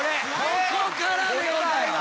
ここからでございます。